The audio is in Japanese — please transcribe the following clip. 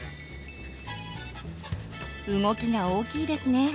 動きが大きいですね。